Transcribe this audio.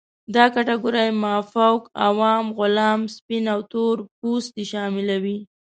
دا کټګورۍ مافوق، عوام، غلام، سپین او تور پوستې شاملوي.